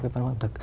cái văn hóa ẩm thực